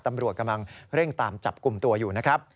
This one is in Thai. ตำรวจกำลังเร่งตามจับกลุ่มตัวอยู่นะครับ